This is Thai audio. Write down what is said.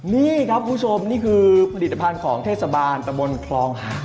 นี่ครับคุณผู้ชมนี่คือผลิตภัณฑ์ของเทศบาลตะบนคลองหา